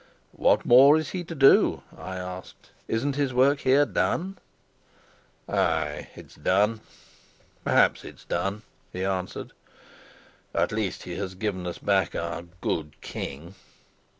"What more is he to do?" I asked. "Isn't his work here done?" "Ay, it's done. Perhaps it's done," he answered. "At least he has given us back our good king."